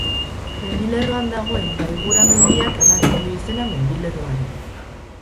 Mendilerroan dagoen Baigura mendiak ematen dio izena mendilerroari.